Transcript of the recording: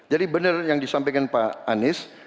jadi benar yang disampaikan pak anies